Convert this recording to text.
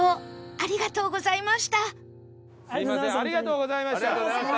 ありがとうございます！